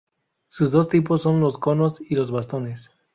Sus dos tipos son los conos y los bastones.